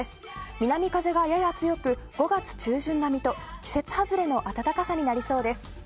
南風がやや強く５月中旬並みと季節外れの暖かさになりそうです。